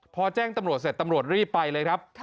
พอแจ้งตำรวจเสร็จตำรวจรีบไปเลยครับ